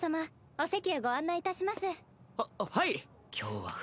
お席へご案内いたします。